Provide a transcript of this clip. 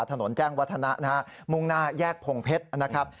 ถนนแจ้งวัฒนะนะฮะมุ่งหน้าแยกพงเพชรนะครับ